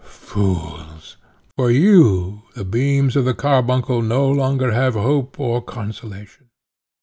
"Fools! For you the beams of the carbuncle no longer have hope or consolation."